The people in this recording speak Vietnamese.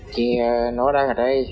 thì nó đang ở đây